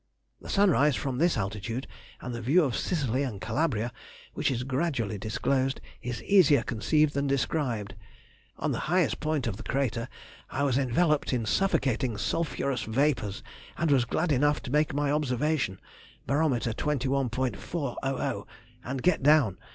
The sunrise from this altitude, and the view of Sicily and Calabria, which is gradually disclosed, is easier conceived than described. On the highest point of the crater I was enveloped in suffocating sulphurous vapours, and was glad enough to make my observation (bar. 21·400) and get down.